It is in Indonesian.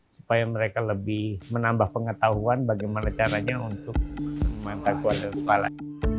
supaya mereka lebih menambah pengetahuan bagaimana caranya untuk memantau ada sekolah